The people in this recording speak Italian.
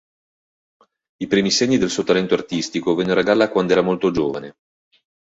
I primi segni del suo talento artistico vennero a galla quando era molto giovane.